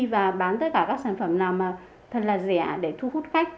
và bán tất cả các sản phẩm nào mà thật là rẻ để thu hút khách